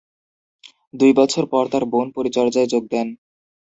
দুই বছর পর তার বোন পরিচর্যায় যোগ দেন।